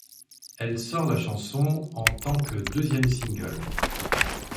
Elle sort la chanson en tant que deuxième single.